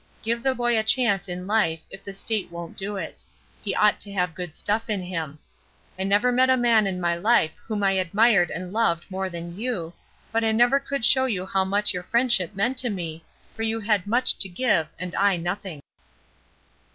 Give the boy a chance in life if the State won't do it. He ought to have good stuff in him. ... I never met a man in my life whom I admired and loved more than you, but I never could show you how much your friendship meant to me, for you had much to give and I nothing.